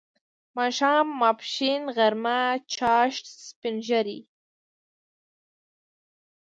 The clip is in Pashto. ماښام، ماپښین، غرمه، چاښت، سپین ږیری